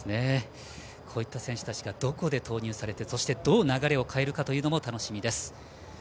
こういった選手たちがどこで投入されてどこで流れを変えるか楽しみです。